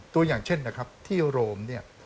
ตัวอย่างเช่นนะครับที่โรมเนี่ย